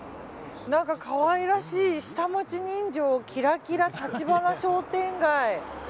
何か可愛らしい下町人情キラキラ橘商店街。